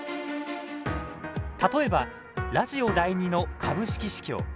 例えば、ラジオ第２の株式市況。